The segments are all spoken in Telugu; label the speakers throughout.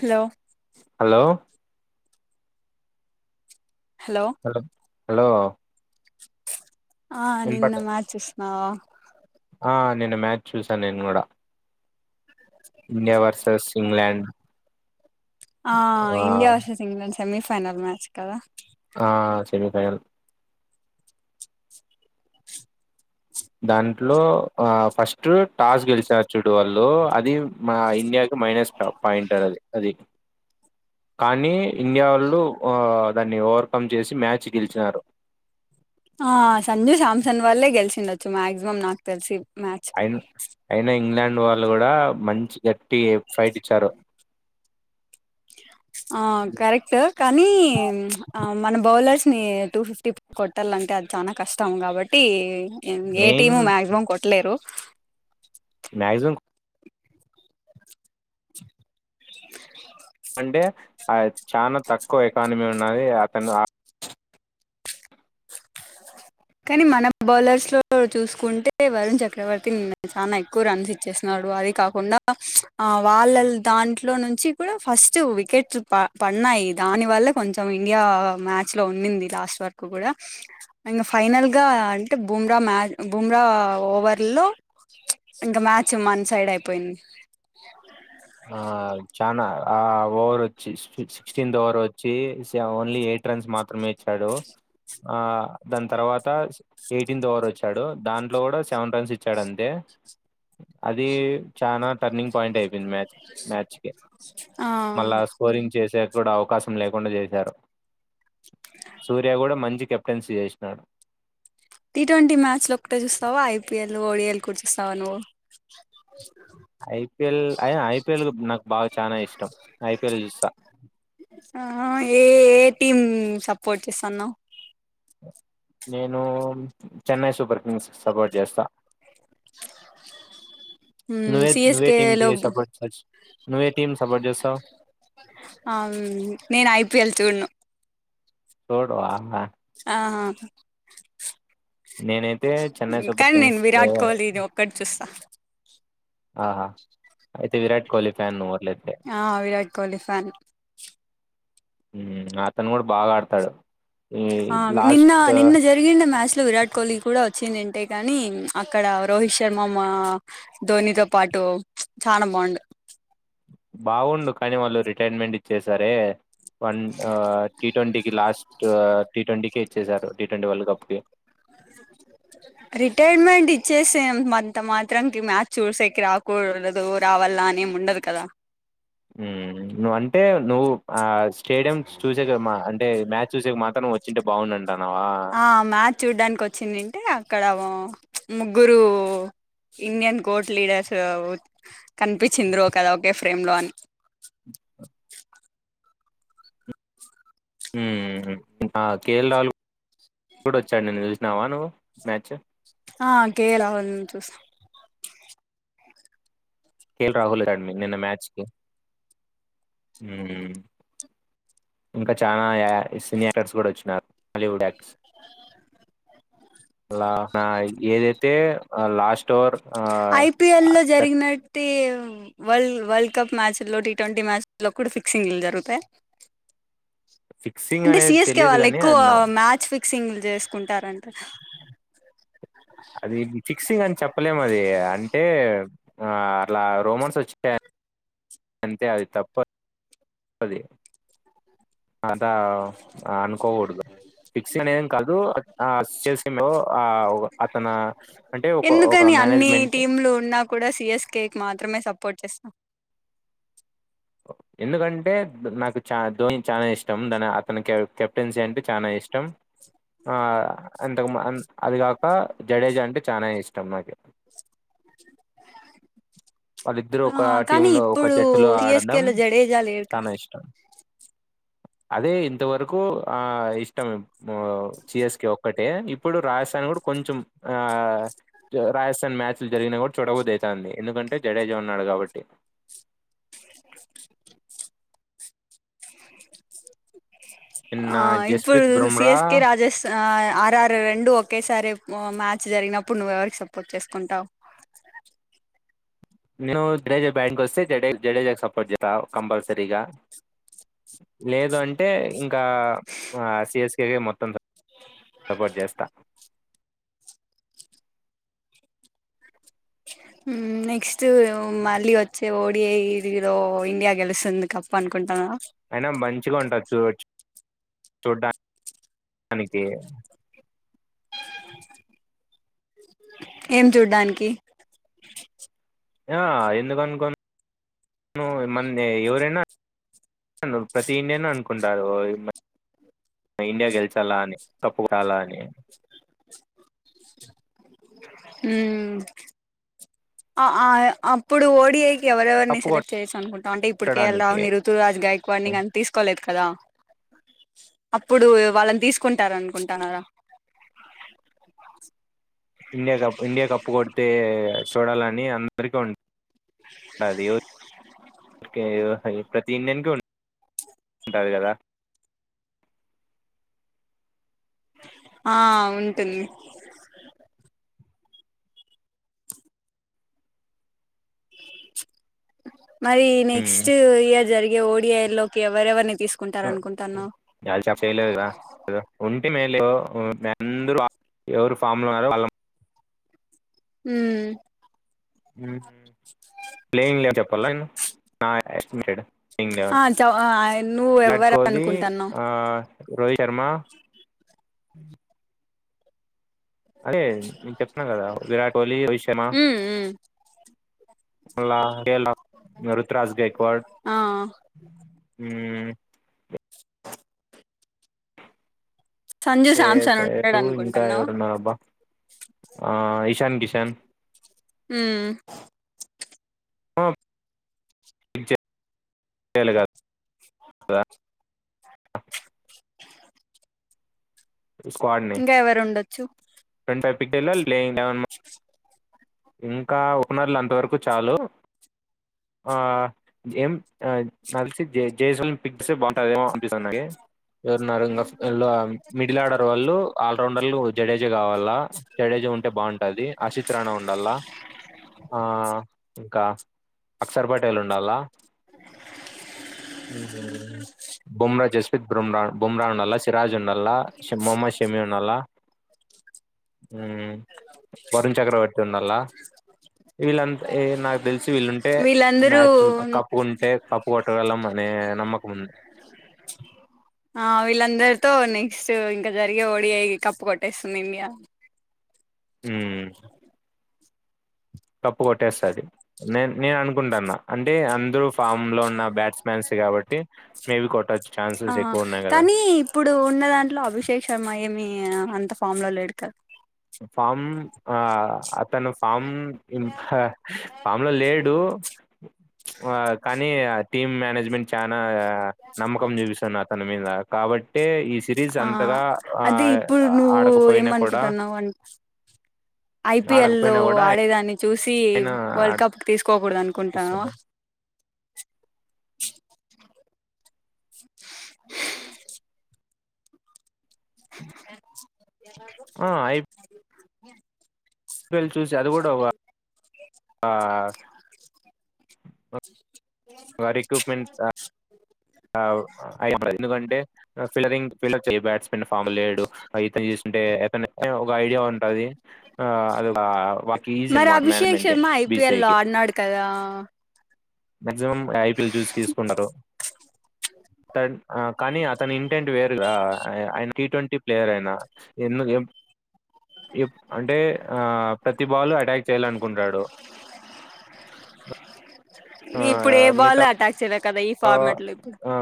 Speaker 1: Hello
Speaker 2: hello.
Speaker 1: హలో.
Speaker 2: హలో.
Speaker 1: ఆ నిన్న
Speaker 2: వినపడత
Speaker 1: మ్యాచూశ్నావ.
Speaker 2: ఆ నిన్న మ్యాచ్చూసా నేను గూడ. ఇండియా వర్సెస్ ఇంగ్లాండ్ ఆ.
Speaker 1: India versus England semifinal match కద.
Speaker 2: ఆ సెమీఫైనల్ దాంట్లో ఆ ఫస్ట్ టాస్ గెలిచార్ చూడు వాళ్ళు అది మా ఇండియాకి మైనస్ ట పాయింటరది అది. కానీ ఇండియా వళ్ళు దాన్ని ఓవర్కమ్ చేసి మ్యాచ్ గెలిచినారు.
Speaker 1: ఆ సంజు సామ్సన్ వాళ్లే గెలిసిండొచ్చు మాక్సిమం నాక్ తెల్సి.
Speaker 2: ఐన్ ఐనా ఇంగ్లాండ్ వాళ్ళు గుడా మంచి గట్టి ఫైటిచ్చారు.
Speaker 1: ఆ కరెక్ట్ కానీ మ్ హ అ మన బౌలర్స్ ని టూ ఫిఫ్టీ ప్ కొట్టల్లంటె అద్ చానా కష్టం కాబట్టి న్ ఏం ఏ
Speaker 2: మెయిన్
Speaker 1: టీము మ్యాక్సిమమ్ కొట్లేరు.
Speaker 2: మ్యాక్జిమమ్
Speaker 1: చ్
Speaker 2: అంటె అ చానా తక్కువ ఎకానమీ ఉన్నాది అతను ఆ
Speaker 1: కానీ మన బౌలర్స్ లో చూస్కుంటె వరుణ్ చక్రవర్తి నిన్న చానా ఎక్కువ రన్స్ ఇచ్చేస్నా వాది కాకుండా ఆ వాళ్ళ దాంట్లో నుంచి కూడా ఫస్ట్ వికెట్ ప పం న్నాయి దాని వల్ల కొంచెం ఇండియా మ్యాచ్ లో ఉండింది. లాస్ట్ వరకు కూడా ఇంగ ఫైనల్ గా అంటే బుమ్రా మ్యాచ్ బుమ్రా ఓవర్ లో ప్చ్ ఇంక మ్యాచ్ మన్ సైడైపొయ్ంది.
Speaker 2: ఆ చానా ఆ ఓవరొచ్చి సి స్టిక్స్ సిక్స్టీన్త్ ఓవరొచ్చి సేఓన్లీ ఎయ్ట్ ట్రన్స్ మాత్రమే ఇచ్చాడు. ఆ దాంతర్వాత ఎయిటీన్త్ ఓవర్ వొచ్చాడు. దాంట్లో గూడా సెవెన్ టైమ్స్ ఇచ్చాడంతే అది చానా టర్నింగ్ పాయింట్ అయిపేయింది మ్యాచ్ మ్యాచ్ కి
Speaker 1: ఆ
Speaker 2: మళ్ళా స్కోరింగ్ చేసాక్ కూడవకాశం లేకుండ జేసారు సూర్య గూడా మంచి కెప్టెన్సీ జేసినారు.
Speaker 1: టీ ట్వంటీ మ్యాచ్లోకట్టే జూస్తావా? ఐపీఎల్ ఓడిఎల్ కూడా చూస్తావా నువు. చూసినాను
Speaker 2: కెల్ అయ ఐపిఎల్ నాక్ బా చానా ఇష్టం ఐపీఎల్ చూస్తా
Speaker 1: ఆహ ఏ ఏ టీమ్ సపోర్ట్ చేస్తన్నవ్?
Speaker 2: నేను చెన్నై సూపర్ కింగ్స్ కీ సపోర్ట్ చేస్తా. నువేట్
Speaker 1: సిఎస్కే లో
Speaker 2: నువేటీంకి సపోర్ట్ జెస్, నువేటీంకి సపోర్ట్ జెస్తావ్?
Speaker 1: అమ్ నేనైపియల్ చూడ్ను.
Speaker 2: చూడ్వా మె
Speaker 1: అహహ్
Speaker 2: నేనైతే చెన్నై సూపర్
Speaker 1: కానీ నేను
Speaker 2: కింగ్స్ కే
Speaker 1: విరాట్ కోహ్లీ ఒక్కటి చూస్తా
Speaker 2: ఆహా అయితే విరాట్ కోహ్లీ ఫ్యాన్ నువు
Speaker 1: ఆహ విరాట్ కోహ్లీ ఫ్యాన్
Speaker 2: మ్మ్ అతను గూడా బాగాడ్తాడు.
Speaker 1: ఆ నిన్న నిన్న జరిగిందీ మ్యాచ్ లో విరాట్ కోహ్లీ కూడా వచ్ చ్చిందింటే కాని ప్చ్ అక్కడ రోహిత్ శర్మమ్మ ధోనితో పాటు ప్చ్ చానా బాగుండు. అ
Speaker 2: బావుండు కానీ వాళ్ళు రిటైర్మెంట్ ఇచ్చేసారే వన్ ఆ టీట్వంటీ కి, లాస్ట్ టీ ట్వంటీ కే ఇచ్చేసారు. టీ ట్వంటీ వల్డ్ కప్ కి
Speaker 1: [inaudible] రిటైర్మెంట్ ఇచ్చేసెన్మంతా మాత్రం దీ మ్యాచ్ చూసేకి రాకూడదు, రావాల్నాని ముండదు కదా.
Speaker 2: మ్మ్ నువంటే నువ్వు ఆ స్టేడియం చూసేకే మా అంటే మ్యాచ్ చూసేకే మాత్రం నువొచ్చుంటే బాగుండన్
Speaker 1: ఆ మ్యాచ్ చూడ్డానికొచ్చిందంటే అక్కడామొ ప్చ్ ముగ్గురు ఇండియన్ గోట్ లీడర్స్ అవో కనిపించింద్రో కదా ఒకే ఫ్రేమ్ లో అని.
Speaker 2: ఒ హుమ్మ్ ఆ కేరళలో ఉప్పుడోచ్చాడు నిన్న జూసినవా నువు మ్యాచ్చు
Speaker 1: ఆ కేలవంచూసం
Speaker 2: కేల్ రాహులే లెడన్ని నిన్న మ్యాచ్కి హుమ్మ్ ఇంక చానా యా సినీ యాక్టర్స్ గూడా వొచ్చినరు బాలీవుడ్ యాక్ట్స్ అలా నా ఏదైతే ఆ లాస్ట్ ఓవర్
Speaker 1: ఐపియల్లో జరిగినట్టే వల్డ్ వల్డ్ కప్ మ్యాచ్ ల్లో, టీ ట్వంటీ మ్యాచ్ లో కూడా ఫిక్సింగ్లు జరుగుతే
Speaker 2: ఫిక్సింగ్
Speaker 1: అంటే
Speaker 2: అనేది
Speaker 1: సియెస్కే
Speaker 2: తెలియదు కాని
Speaker 1: వాళ్ళేక్కువ
Speaker 2: అది నా-
Speaker 1: మ్యాచ్ ఫి క్సింగ్ల్ జెస్కుంటరంట.
Speaker 2: అది ఫిక్సింగని చెప్పలేమది అంటే? ఆ అట్లా రోమన్స్ వొచ్చినయ్ అంతే అది తప్పద్ అది అదా అనుకోకూడదు. ఫిక్సింగ్ అనే ఏంకాదు ఆ చేసే మే ఆ అతను అంటే ఒక ఒక
Speaker 1: ఎందుకని అన్ని
Speaker 2: మేనేజ్మెంట్
Speaker 1: టీంలు ఉన్నా కూడా సిఎస్కె మాత్రమే సపోర్ట్ చేస్తాం.
Speaker 2: ఎందుకంటే నాకు చా ధోని చాలా ఇష్టం. దాని అతని కెప్టెన్సీ అంటే చాలా ఇష్టం. ఆ అంతకు అది కాక జడేజా అంటే చానా ఇష్టం. నాకీ వాళ్ళిద్దరు
Speaker 1: ఆ
Speaker 2: ఒక టీమ్
Speaker 1: కానీ
Speaker 2: లో ఒక
Speaker 1: ఇప్పుడు
Speaker 2: జట్టులో ఆడడం
Speaker 1: సిఎస్కెలో జడేజా లేరు కదా.
Speaker 2: చాలా ఇష్టం
Speaker 1: ఇ
Speaker 2: అదే ఇంతవరకు ఆ ఇష్టం. ఉ సిఎస్కె ఒక్కటే ఇప్పుడు రాజస్థాన్ కొంచెం ఆ రాజస్థాన్ మ్యాచ్లు జరిగిన కూడా చూడబుద్ధిఅయితాంది. ఎందుకంటే జడేజా ఉన్నాడు కాబట్టి నిన్న
Speaker 1: ఆ ఇప్పుడు
Speaker 2: జస్ప్రీత్ బుమ్రా
Speaker 1: సిఎస్కె రాజస్థాన్ ఆ ఆర్ఆర్ రెండు ఒకేసారి మ్యాచ్ జరిగినప్పుడు నువ్ఎవరికి సపోర్ట్ చేసుకుంటావ్.
Speaker 2: నను జడేజా బ్యాటింగ్ వస్తే జడ జడేజా సపోర్ట్ జతా కంపల్సరీగా లేదు అంటే ఇంకా ఆ సిఎస్కే మొత్తం సపోర్ట్ చేస్తా
Speaker 1: ఉమ్ నెక్స్ట్ మళ్ళీ వచ్చే ఒడ్ [unintelligible] ఇండియా గెలుస్తుంది కప్ అనుకుంటనవా
Speaker 2: రోజ్ చూడ్డ డానికి
Speaker 1: ఏం చూడ్డానికి
Speaker 2: ఆ ఎందుకనుకోను మన్ది ఎవరైనా అవును ప్రతి ఇండియన్ అనుకుంటారు. ఇండియా గెలిచాల్లా అని కప్పురాల్లా అని
Speaker 1: హు అ ఆ ఆప్పుడు ఓడిఐ ఎవరెవరిని
Speaker 2: కప్పు
Speaker 1: సెలక్ట్ చేసు అనుకుంటాంటే ఇప్పుడు కెల్
Speaker 2: కొట్టడానికి
Speaker 1: రాహుల్ని, రుతురాజ్, గైక్వాడ్ని కానీ తీసుకోలేదు. కదా అప్పుడు వాళ్ళని తీసుకుంటార అనుకుంటనారా
Speaker 2: ఇండియా కప్ ఇండియా కప్ కొడితే చూడాలని అందరికీ ఉం టది కెయు అ ప్రతి ఇండియన్కి ఉన్ ఉంటాది కదా
Speaker 1: ఆ ఉంటుంది మరి
Speaker 2: ఉమ్.
Speaker 1: నెక్స్ట్ ఇయర్ జరిగే ఓడిఐ లోకి ఎవరెవరిని తీసుకుంటారు
Speaker 2: [unintelligible]
Speaker 1: అనుకుంటున్నావ్
Speaker 2: ఫిఫ్టీన్ మే లో అందరు ఎవరు ఫామ్ లో ఉన్నారో
Speaker 1: ఊమ్
Speaker 2: ఉ ప్లేయింగ్ లే చెప్పాలా నేను నా ఎస్టిమేటెడ్ ఇంగ్
Speaker 1: ఆ చ నువ్వు
Speaker 2: విరాట్
Speaker 1: ఎవ్వరు
Speaker 2: కోహ్లీ
Speaker 1: అనుకుంటున్నావ్
Speaker 2: ఆ రోహిత్ శర్మా అదే నేను చెప్తున్నా కదా విరాట్ కోహ్లీ, రోహిత్ శర్మా
Speaker 1: మ్మ్ మ్మ్
Speaker 2: మల్లా కెల్ రాహు రుతురాజ్ గైక్వాడ్
Speaker 1: ఆ
Speaker 2: ఉమ్
Speaker 1: సంజు
Speaker 2: సే
Speaker 1: శాంసన్ ఉంటాడు
Speaker 2: సేరు ఇంకా
Speaker 1: అనుకుంటున్నావా
Speaker 2: ఎవరు ఉన్నారు అబ్బా ఆ ఇశాన్ కిష్ చెన్
Speaker 1: ఉ
Speaker 2: ఆ కేఏల్ గాదు
Speaker 1: బ్లాంక్
Speaker 2: స్క్వాడ్
Speaker 1: ఇంకా ఎవరు ఉండొచ్చు
Speaker 2: మిక్ తెలవల్లే ఏవన్న ఇంకా ఓపనర్లు అంత వరకు చాలు
Speaker 1: బ్లాంక్
Speaker 2: ఆ ఏం నలిసి జైస పిగ్స్ బాగుంటాయేమో అనిపిస్తుంది నాకి ఎవరున్నారు ఇంకా మిడిల్ ఆర్డర్ వాళ్ళు ఆల్రౌండర్లు జడేజా కావాల జడేజా ఉంటే బాగుంటది ఆసిత్రణ ఆ ఇంకా అక్షర్ ప టెలు ఉండాలా బుమ్ర జస్విత్ బుమ్ర బుమ్ర ఉండాల సిరాజ్ ఉండల్ల షు మొహమ్మద్ షెమి ఉండాల వరుణ్ చక్రవర్తి ఉండాల వీళ్ళంతా నాకు తెలిసి వీళ్ళుంటే
Speaker 1: వీళ్ళందరూ
Speaker 2: మ్యాచ్ కప్పు ఉంటే కప్పు కొట్టగలం అనే ఏ నమ్మకముంది
Speaker 1: ఆ వీళ్ళందరితో నెక్స్ట్ ఇంకా జరిగే ఓడిఐ కప్పు కొట్టేస్తుంది ఇండియా
Speaker 2: ఉమ్ కప్పు కొట్టేస్తది నే నేను అనుకుంటాన్నా అంటే అందరు ఫామ్ లో ఉన్న బ్యాట్స్ మాన్స్ కాబట్టి మేబి కొట్టో
Speaker 1: ఆ కానీ ఇప్పుడు ఉన్న దాంట్లో అభిషేక్ శర్మ ఏమి అంత ఫామ్ లో లేడు కద
Speaker 2: ఫామ్ ఆ అతను ఫామ్ హ ఫాములో లేడు ఆ కానీ టీమ్ మానేజ్మెంట్ చాన్ ఆ నమ్మకం చూపిస్తది అతని మీద కాబట్టి ఈ సిరీస్
Speaker 1: ఆ
Speaker 2: అంతగా ఆ
Speaker 1: అది ఇప్పుడు నువ్వు
Speaker 2: ఆడకపోయినా కూడా
Speaker 1: ఏమనుకుంటున్నావు అ ఐపిఎల్ లో
Speaker 2: ఆడకపోయినా కూడా
Speaker 1: ఆడేదాని చు చూసి
Speaker 2: ఆయన
Speaker 1: వరల్డ్ కప్ తీసుకోకూడదు అనుకుంటాన్నవ
Speaker 2: ఆడిపిస్తున్నాడు
Speaker 1: బ్లాంక్ బ్లాంక్
Speaker 2: ఆ
Speaker 1: [inaudible]
Speaker 2: ఐపీఎల్ చూసి అది కూడ ఒగ ఆ రిక్రూట్మెంట్ అయింది ఎందుకంటే ఫిలవింగ్ ఫిల్లప్ చేయి బ్యాట్స్ ఫాముల లేడు ఇతను చేస్తుంటే అత ఒక ఐడియా ఉంటది అది అదొక అ
Speaker 1: మరి అభిషేక్ శర్మ ఐపిఎల్ లో ఆడినాడు కదా
Speaker 2: మక్సిమం ఐపీఎల్ చూసి తీసుకున్నరు
Speaker 1: బ్లాంక్
Speaker 2: టెన్ కానీ అతని ఇంటెంట్ వేరుగ ఆయన టీ ట్వంటీ ప్లేయర్ అయిన ఎందుకు ఎప్ అంటే ఆ ప్రతి బాలు అటాక్ చేయాలనుకుంటాడు ఆ
Speaker 1: ఇప్పుడు ఏ బాల్
Speaker 2: మిగతా
Speaker 1: అటాక్ చేయలె కదా ఈ
Speaker 2: ఆ
Speaker 1: ఫార్మాట్ లో ఇప్పుడు
Speaker 2: అ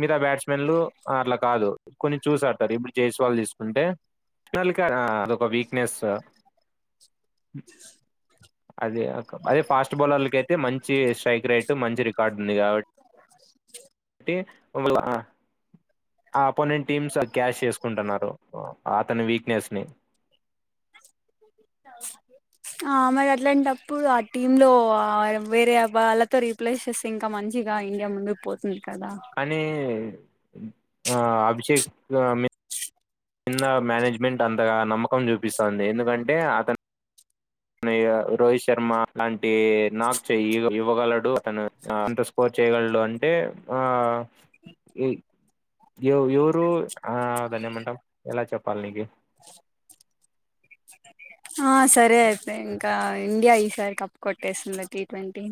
Speaker 2: మిగతా బ్యాట్స్మెన్లు అట్లకా కాదు కొన్ని చూసాడతారు ఇప్పుడు జైస్వాల్ తీసుకుంటే [unintelligible] అదొక వీక్నెస్ అదే అదే ఫాస్ట్ బౌలర్లకయితే మంచి స్ట్రైక్ రైటు మంచి రికార్డు ఉంది కాబ ట్టి వాళ్ళు ఆ ఆ అపోనెంట్ టీమ్స్ క్యాష్ చేసుకుంటున్నరు అతని వీక్నెస్ ని
Speaker 1: బ్లాంక్ ఆ మరి అట్లాంటప్పుడు ఆ టీమ్ లో వేరే వాళ్ళతో రీప్లేస్ చేస్తే ఇంకా మంచిది ఆ ఇండియా ముందూకుపోతుంది
Speaker 2: కానీ ఆ అభిషేక్ మి చిన్న మేనేజ్మెంట్ అంతగా నమ్మకం చూపిస్తుంది ఎందుకంటే అతను రోహిత్ శర్మ లాంటి నాక్ చేయి ఇవ్వవగలడు అతను ఏంత స్కోర్ చేయగలడు అంటే ఆ ఈ ఎవ ఎవరు ఆ దానేమంటం ఎలా చెప్పాలి నీకి
Speaker 1: ఆ సరే అయితే ఇంకా ఇండియా ఈసారి కప్ కొట్టేసింది టీ ట్వంటీ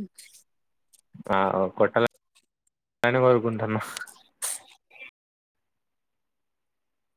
Speaker 2: ఆ కొట్టలలనే కోరుకుంటున్నా